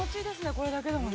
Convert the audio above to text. これだけでもね。